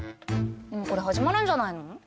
もうこれ始まるんじゃないの？